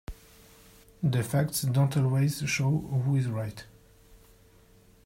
The facts don't always show who is right.